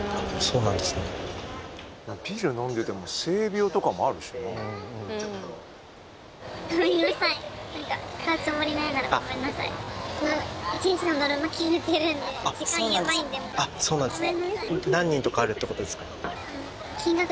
うんあっそうなんですか